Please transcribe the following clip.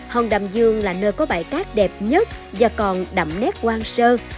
hòn đầm dương là nơi có bãi cát đẹp nhất và còn đậm nét quang sơ